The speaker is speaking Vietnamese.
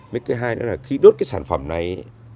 mấy cái hai nữa là khi đốt cái sản phẩm này